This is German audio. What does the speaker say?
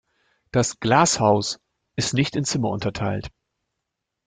Das Glass House ist nicht in Zimmer unterteilt.